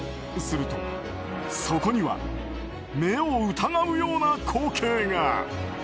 すると、そこには目を疑うような光景が。